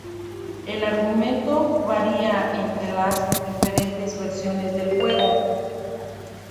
El argumento varia entre las diferentes versiones del juego.